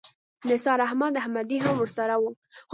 نثار احمد احمدي هم ورسره و.